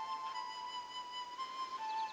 mereka buat apa sekarang